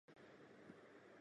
مجھے بھوک لگی ہے۔